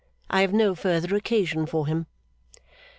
I have no further occasion for him.